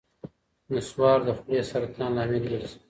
نصوار د خولې سرطان لامل ګرځي.